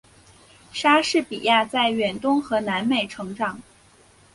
莎士比亚在远东和南美成长。